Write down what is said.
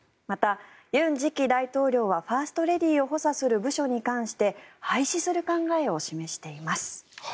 また、尹錫悦次期大統領はファーストレディーを補佐する部署に関して廃止する考えを示しています。